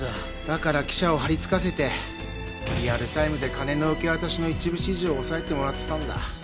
だから記者を張り付かせてリアルタイムで金の受け渡しの一部始終を押さえてもらってたんだ